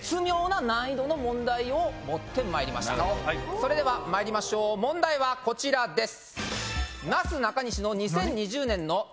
それではまいりましょう問題はこちらです。